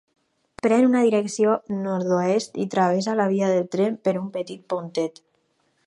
Pren una direcció nord-oest i travessa la via del tren per un petit pontet.